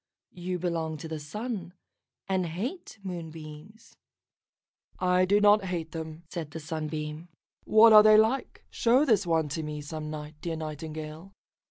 You belong to the Sun, and hate Moonbeams." "I do not hate them," said the Sunbeam. "What are they like? Show this one to me some night, dear Nightingale."